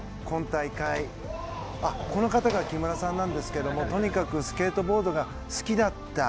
この方が木村さんですがとにかくスケートボードが好きだった。